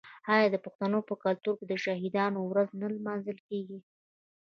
آیا د پښتنو په کلتور کې د شهیدانو ورځ نه لمانځل کیږي؟